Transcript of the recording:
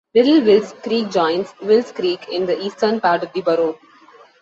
Little Wills Creek joins Wills Creek in the eastern part of the borough.